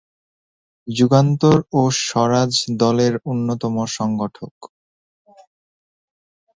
যুগান্তর ও স্বরাজ দলের অন্যতম সংগঠক।